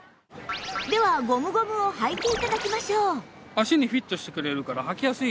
ではゴムゴムを履いて頂きましょう